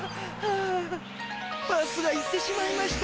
バスが行ってしまいました。